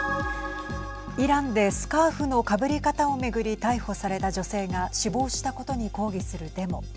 イランでスカーフのかぶり方を巡り逮捕された女性が死亡したことに抗議するデモ。